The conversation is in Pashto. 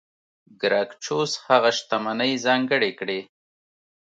ګراکچوس هغه شتمنۍ ځانګړې کړې.